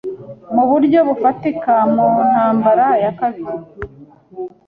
Mu buryo bufatika muntambara ya kabiri